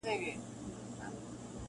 • نا آشنا سور ته مو ستونی نه سمیږي -